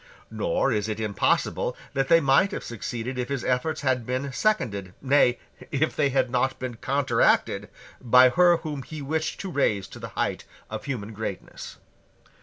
Nor is it impossible that he might have succeeded if his efforts had been seconded, nay, if they had not been counteracted, by her whom he wished to raise to the height of human greatness.